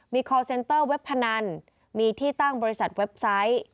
มีคอร์เซนเตอร์เว็บพนันมีที่ตั้งบริษัทเว็บไซต์